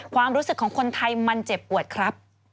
ความรู้สึกของคนไทยมันเจ็บปวดครับ